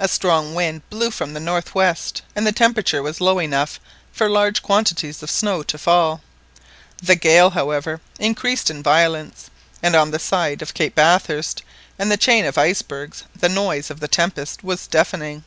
A strong wind blew from the north west, and the temperature was low enough for large quantities of snow to fall; the gale, however, increased in violence, and on the side of Cape Bathurst and the chain of icebergs the noise of the tempest was deafening.